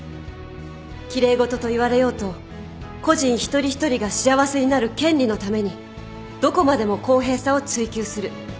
奇麗事と言われようと個人一人一人が幸せになる権利のためにどこまでも公平さを追求する。